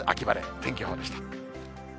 天気予報でした。